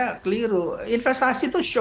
itu karena proses investment process yang menurut saya